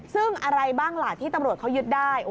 ซึ่งอะไรบ้างล่ะที่ตำรวจเขายึดได้